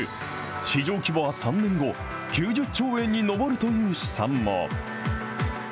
市場規模は３年後、９０兆円に上るという試算も。